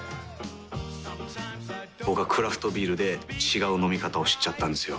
僕はクラフトビールで違う飲み方を知っちゃったんですよ。